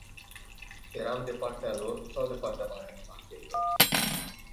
Eram de partea lor sau de partea bancherilor?